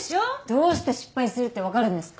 どうして失敗するって分かるんですか？